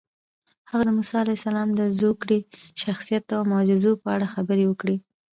هغه د موسی علیه السلام د زوکړې، شخصیت او معجزو په اړه خبرې وکړې.